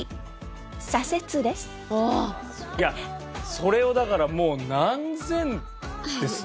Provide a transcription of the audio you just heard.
それをだからもう何千ですね